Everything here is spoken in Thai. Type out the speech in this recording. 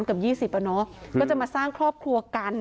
ก็จะมาสร้างครอบครัวกัน